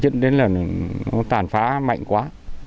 nên là nó tàn phá mạnh quá